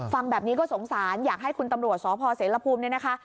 ฟังแบบนี้ก็สงสารอยากให้คุณตำรวจสพเสรภูมิเนี่ยนะคะ